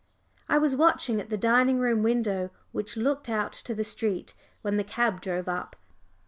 I was watching at the dining room window, which looked out to the street, when the cab drove up.